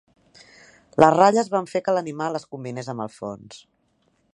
Les ratlles van fer que l'animal es combinés amb el fons,